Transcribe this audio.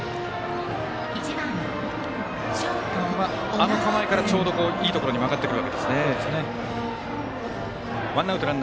あの構えからちょうどいいところに曲がってくるわけですね。